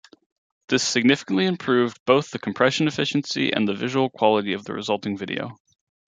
This significantly improved both the compression efficiency and visual quality of the resulting video.